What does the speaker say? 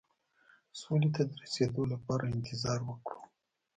سولې ته د رسېدو لپاره انتظار وکړو.